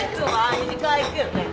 ２次会行くよね？